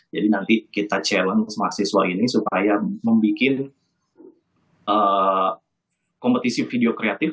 jadi nanti kita challenge mahasiswa ini supaya membuat kompetisi video kreatif